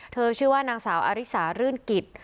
ชื่อว่านางสาวอาริสารื่นกิจ